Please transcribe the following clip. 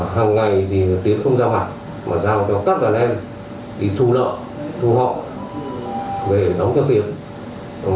hàng ngày thì tiến không ra mặt mà ra một cái phòng cắt đàn em đi thu lợi thu họ về đóng cho tiến